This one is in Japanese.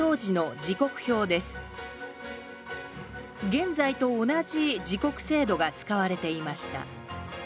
現在と同じ時刻制度が使われていました